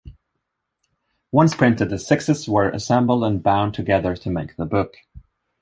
Once printed, the "sixes" were assembled and bound together to make the book.